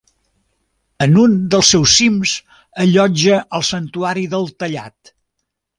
En un dels seus cims allotja el santuari del Tallat.